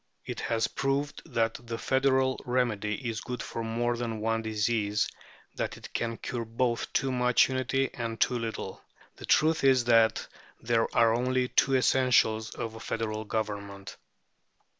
It has proved that the federal remedy is good for more than one disease, that it can cure both too much unity and too little. The truth is that there are only two essentials of a federal government.